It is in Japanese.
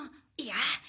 いや。